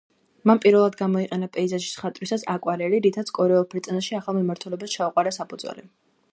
მან პირველად გამოიყენა პეიზაჟის ხატვისას აკვარელი, რითაც კორეულ ფერწერაში ახალ მიმართულებას ჩაუყარა საფუძველი.